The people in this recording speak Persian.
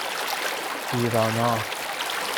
ایرانا